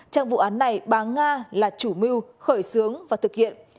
trong vụ án này bà nga là chủ mưu khởi xướng và thực hiện